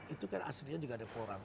itu kan aslinya juga ada porang